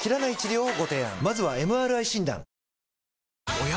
おや？